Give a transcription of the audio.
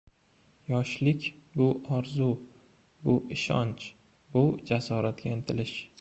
Yoshlik, bu — orzu. Bu — ishonch. Bu — jasoratga intilish.